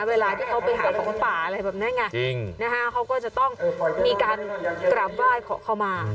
เวลาที่เขาไปหาของป่าอะไรแบบนั้นไงเขาก็จะต้องมีการกราบไหว้ขอเข้ามา